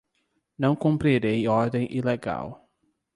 Não cumprirei ordem ilegal